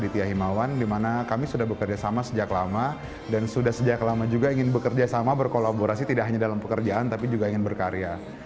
tulus juga ingin berkarya